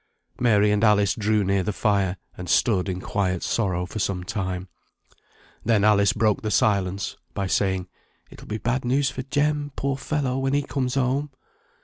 Mary and Alice drew near the fire, and stood in quiet sorrow for some time. Then Alice broke the silence by saying, "It will be bad news for Jem, poor fellow, when he comes home."